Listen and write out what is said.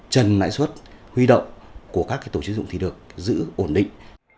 trần lãi suất huy động của các tổ chức dụng thì được giữ ổn định